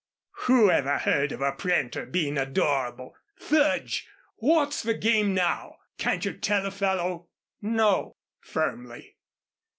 "Who ever heard of a printer being adorable? Fudge! What's the game now? Can't you tell a fellow?" "No," firmly.